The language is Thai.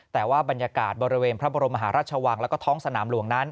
แต่ว่าบรรยากาศบริเวณพระบรมราชวังและฐ้องสนามหลวง